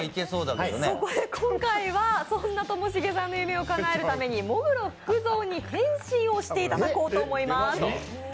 そこで今回は、そんなともしげさんの夢をかなえるために喪黒福造に変身をしていただこうと思います。